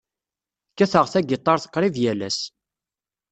Kkateɣ tagiṭart qrib yal ass.